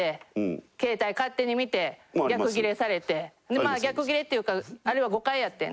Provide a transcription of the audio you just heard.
まあ逆ギレっていうかあれは誤解やってんな？